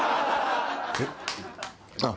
えっ。